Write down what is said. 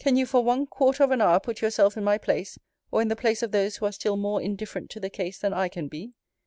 Can you for one quarter of an hour put yourself in my place, or in the place of those who are still more indifferent to the case than I can be?